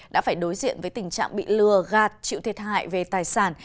đã phải đối diện với tình trạng bị lừa gạt chịu thiệt hại về tài sản